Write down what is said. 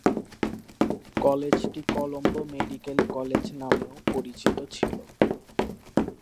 কলেজটি Colombo medical college নামেও পরিচিত ছিলো।